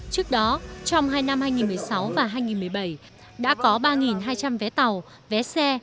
trước đó trong hai năm hai nghìn một mươi sáu và hai nghìn một mươi bảy đã có ba hai trăm linh vé tàu vé xe